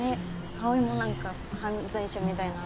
葵も何か犯罪者みたいな。